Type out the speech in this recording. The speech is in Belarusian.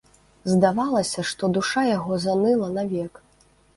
Здавалася, што душа яго заныла навек.